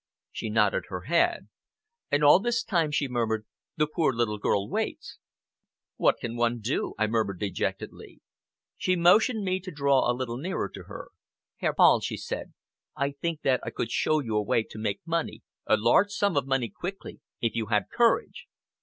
She nodded her head. "And all this time," she murmured, "the poor little girl waits!" "What can one do?" I murmured dejectedly. She motioned me to draw a little nearer to her. "Herr Paul," she said, "I think that I could show you a way to make money, a large sum of money quickly, if you had courage!"